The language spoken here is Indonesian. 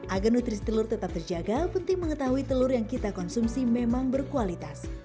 agar nutrisi telur tetap terjaga penting mengetahui telur yang kita konsumsi memang berkualitas